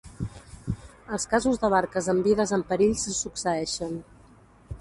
Els casos de barques amb vides en perill se succeeixen.